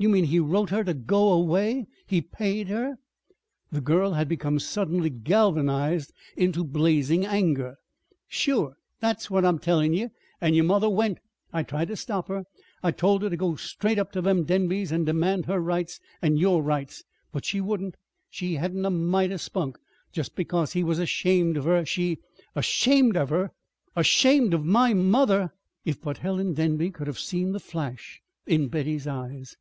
You mean he wrote her to go away? He paid her?" The girl had become suddenly galvanized into blazing anger. "Sure! That's what I'm tellin' ye. An' yer mother went. I tried ter stop her. I told her ter go straight up ter them Denbys an' demand her rights an' your rights. But she wouldn't. She hadn't a mite o' spunk. Just because he was ashamed of her she " "Ashamed of her! Ashamed of my mother!" if but Helen Denby could have seen the flash in Betty's eyes!